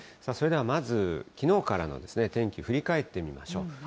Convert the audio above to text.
それではまず、きのうからの天気、振り返ってみましょう。